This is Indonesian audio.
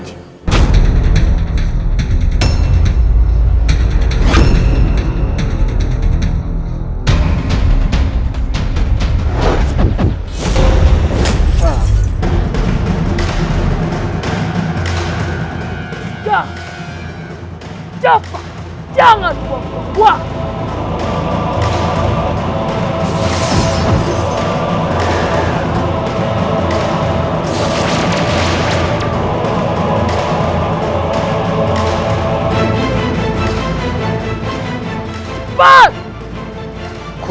agar aku bisa mengumpulkan tenagaku